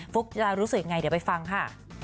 ุ๊กจะรู้สึกยังไงเดี๋ยวไปฟังค่ะ